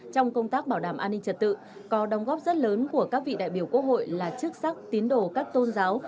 trong công tác bảo đảm an ninh trật tự có đồng góp rất lớn của các vị đại biểu quốc hội là chức sắc tín đồ các tôn giáo